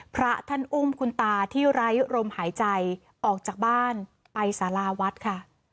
พระท่านอุ้มคุณตาที่ไร้รมหายใจออกจากบ้านไปสาราวัดค่ะ